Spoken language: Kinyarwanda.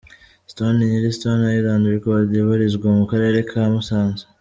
Stone Nyiri Stone Island Record ibarizwa mu karere ka Musanze.